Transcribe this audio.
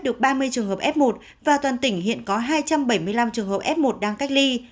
được ba mươi trường hợp f một và toàn tỉnh hiện có hai trăm bảy mươi năm trường hợp f một đang cách ly